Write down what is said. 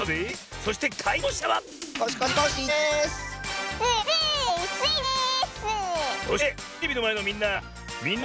そしてかいとうしゃは。